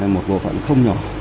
một bộ phận không nhỏ